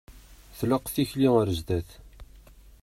Tlaq tikli ar zdat.